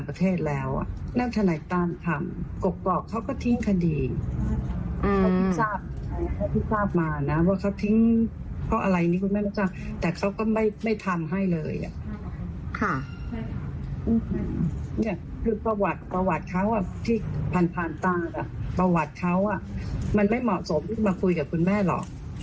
คือประวัติเขาที่พันธุ์ต่างประวัติเขามันไม่เหมาะสมที่มาคุยกับคุณแม่หรอก